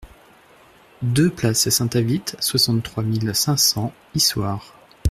deux place Saint-Avit, soixante-trois mille cinq cents Issoire